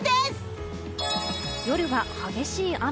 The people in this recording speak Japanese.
夜は激しい雨。